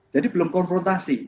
jadi belum konfrontasi